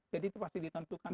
jadi itu pasti ditentukan